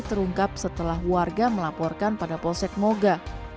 terungkap setelah warga melaporkan pada polsek moga